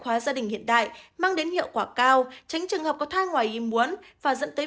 hóa gia đình hiện đại mang đến hiệu quả cao tránh trường hợp có thai ngoài ý muốn và dẫn tới